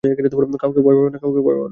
কাউকে ভায় পাবে না।